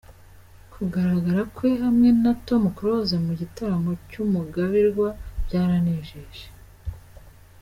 Kugaragara kwe, hamwe na Tom Close mu gitaramo cy’Umugabirwa byaranejeje".